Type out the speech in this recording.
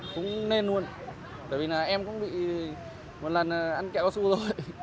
cũng nên luôn tại vì em cũng bị một lần ăn kẹo cao su rồi